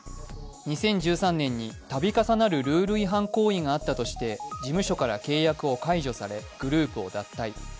２０１３年に度重なるルール違反行為があったとして事務所から契約を解除され、グループを脱退。